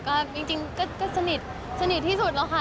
แล้วชอบพี่อัพไอจีนไหมคะ